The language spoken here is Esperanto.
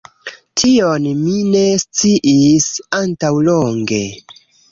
Tion mi ne sciis antaŭlonge